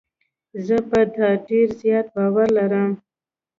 زه په تا ډېر زیات باور لرم.